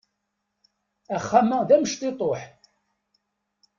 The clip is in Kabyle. Axxam-a d amectiṭuḥ.